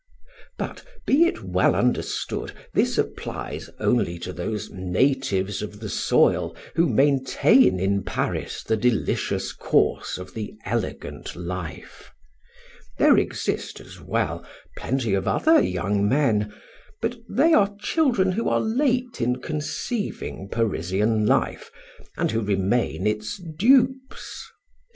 But, be it well understood this applies only to those natives of the soil who maintain in Paris the delicious course of the elegant life. There exist, as well, plenty of other young men, but they are children who are late in conceiving Parisian life, and who remain its dupes.